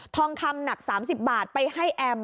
ทองคำหนัก๓๐บาทไปให้แอม